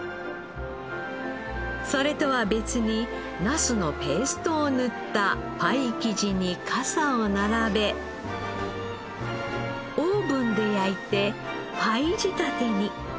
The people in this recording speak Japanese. それとは別にナスのペーストを塗ったパイ生地にかさを並べオーブンで焼いてパイ仕立てに。